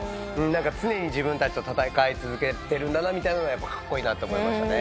常に自分たちと闘い続けてるみたいなのがカッコイイなと思いましたね。